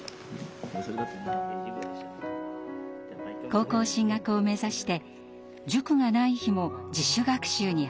高校進学を目指して塾がない日も自主学習に励んでいます。